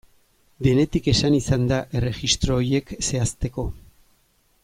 Denetik esan izan da erregistro horiek zehazteko.